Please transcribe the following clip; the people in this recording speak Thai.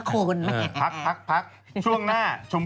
พักช่วงหน้าชมพูดเลย